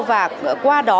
và qua đó